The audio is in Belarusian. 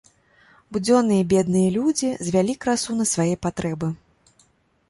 Будзённыя бедныя людзі звялі красу на свае патрэбы.